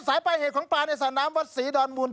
ต้นสายป้ายเหตุของปลาในสนามวัดศรีดอนมูล